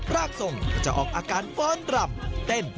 ร่างทรงก็จะออกอาการเบิ้ลดรำเต้น